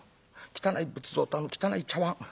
汚い仏像とあの汚い茶碗。